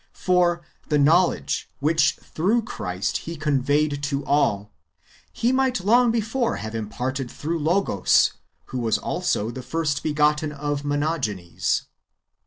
For the knowledge which through Christ He conveyed to all, He might long before have imparted through Logos, who was also the first begotten of Monogenes.